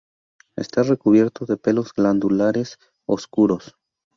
Está recubierto de pelos glandulares oscuros.